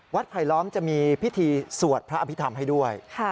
ไผลล้อมจะมีพิธีสวดพระอภิษฐรรมให้ด้วย